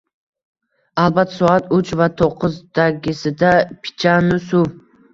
Albatta, soat uch va to`qqizdagisida pichan-u suv